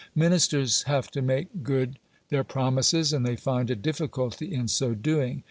Ministers have to make good their promises, and they find a difficulty in so doing.